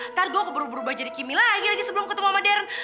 ntar gue berubah jadi kimi lagi lagi sebelum ketemu sama darren